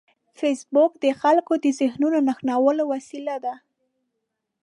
فېسبوک د خلکو د ذهنونو نښلولو وسیله ده